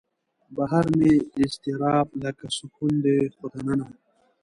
بهر مې اضطراب لکه سکون دی خو دننه